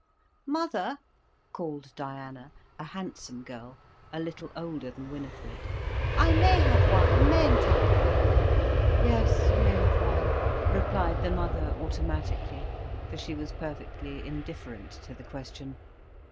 "Mother," called Diana, a handsome girl a little older than Winifred, "I may have wine, mayn't I?" "Yes, you may have wine," replied the mother automatically, for she was perfectly indifferent to the question.